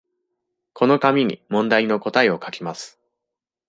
この紙に問題の答えを書きます。